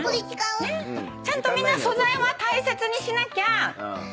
ちゃんとみんな素材は大切にしなきゃ。